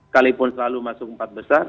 kalaupun selalu masuk empat besar